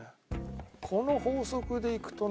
この法則でいくとね。